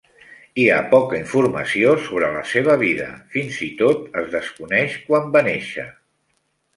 Hi ha poca informació sobre la seva vida; fins i tot es desconeix quan va néixer.